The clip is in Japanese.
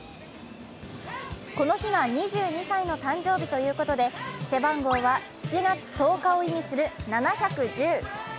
この日が２２歳の誕生日ということで背番号は７月１０日を意味する７１０。